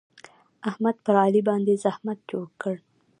احمد پر علي باندې زحمت جوړ کړ.